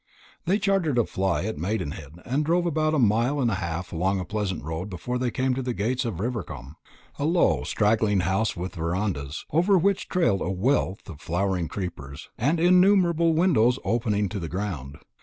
They chartered a fly at Maidenhead, and drove about a mile and a half along a pleasant road before they came to the gates of Rivercombe a low straggling house with verandahs, over which trailed a wealth of flowering creepers, and innumerable windows opening to the ground.